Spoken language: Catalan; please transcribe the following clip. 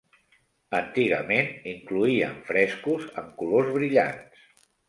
Antigament incloïen frescos en colors brillants.